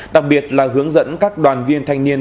đặc biệt là hướng dẫn các đoàn viên thanh niên